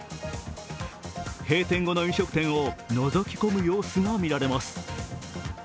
閉店後の飲食店をのぞき込む様子がみられます。